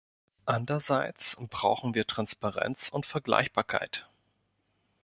Anderseits brauchen wir Transparenz und Vergleichbarkeit.